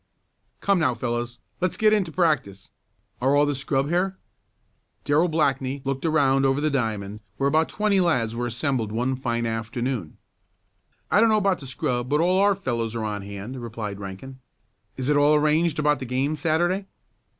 "Come now, fellows, let's get into practice. Are all the scrub here?" Darrell Blackney looked around over the diamond, where about twenty lads were assembled one fine afternoon. "I don't know about the scrub, but all our fellows are on hand," replied Rankin. "Is it all arranged about the game Saturday?"